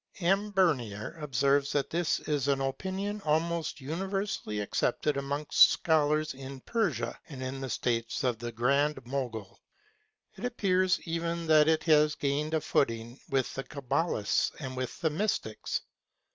M. Bernier observes that this is an opinion almost universally accepted amongst scholars in Persia and in the States of the Grand Mogul; it appears even that it has gained a footing with the Cabalists and with the mystics.